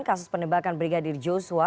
kasus penembakan brigadir joshua